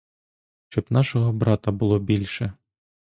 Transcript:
Щоб нашого брата було більше.